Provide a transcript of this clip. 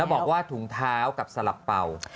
บอกว่าถุงเท้ากับสลับเป่า